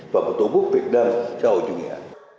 và một tổ quốc việt nam xã hội chủ nghĩa